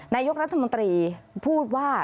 นายกรัฐมนตรีพูดว่า